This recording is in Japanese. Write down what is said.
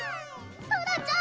ソラちゃん